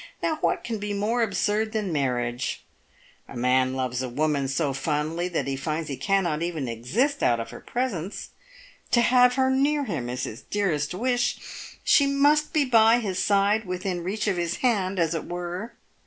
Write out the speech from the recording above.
Now what can be more absurd than marriage ? A man loves a woman so fondly that he finds he cannot even exist out of her presence. To have her near him is his dearest wish. She must be by his side within reach of his hand, as it were.